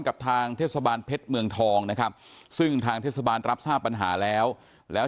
กับทางเทศบาลเพชรเมืองทองนะครับซึ่งทางเทศบาลรับทราบปัญหาแล้วแล้ว